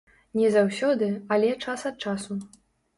Не заўсёды, але час ад часу.